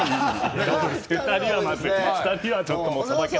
２人はまずいな。